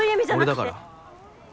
俺だから。